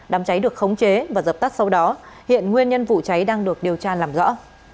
đám cháy được khống chế và dập tắt sau đó hiện nguyên nhân vụ cháy đang được điều tra làm rõ